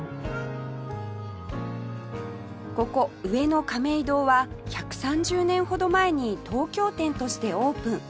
ここ上野亀井堂は１３０年ほど前に東京店としてオープン